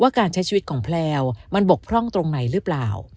การใช้ชีวิตของแพลวมันบกพร่องตรงไหนหรือเปล่า